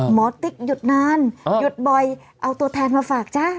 ติ๊กหยุดนานหยุดบ่อยเอาตัวแทนมาฝากจ้า